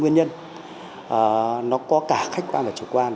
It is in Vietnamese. nguyên nhân nó có cả khách quan và chủ quan